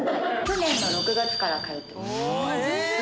去年の６月から通ってます。